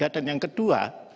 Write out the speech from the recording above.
dan yang kedua